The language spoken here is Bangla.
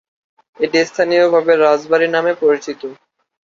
এটি স্থানীয়ভাবে রাজবাড়ি নামে পরিচিত।